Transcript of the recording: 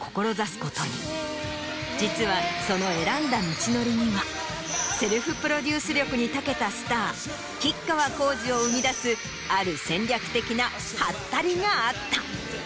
実はその選んだ道のりにはセルフプロデュース力にたけたスター吉川晃司を生み出すある戦略的なハッタリがあった。